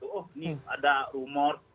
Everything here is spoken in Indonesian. oh ini ada rumor